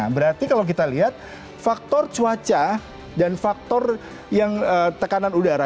berarti kalau kita lihat faktor cuaca dan faktor yang tekanan udara